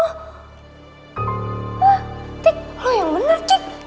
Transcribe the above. hah tik lo yang bener cik